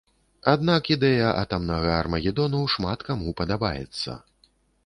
Аднак ідэя атамнага армагедону шмат каму падабаецца.